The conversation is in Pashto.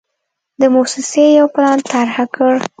د موسسې یو پلان طرحه کړ.